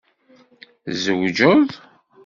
Tzewjeḍ?